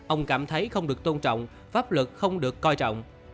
ông cảm thấy không được tôn trọng pháp luật không được coi trọng